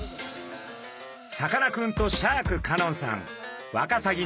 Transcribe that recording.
さかなクンとシャーク香音さん